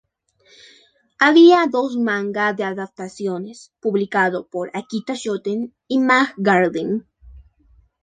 Ha habido dos manga de adaptaciones publicado por Akita Shoten y Mag Garden.